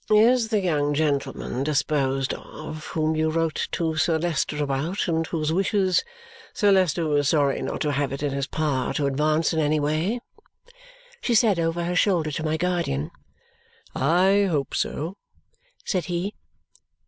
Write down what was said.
"Is the young gentleman disposed of whom you wrote to Sir Leicester about and whose wishes Sir Leicester was sorry not to have it in his power to advance in any way?" she said over her shoulder to my guardian. "I hope so," said he.